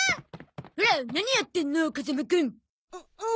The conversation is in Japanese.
ほら何やってんの風間くん。